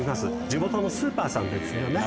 地元のスーパーさんでですよね。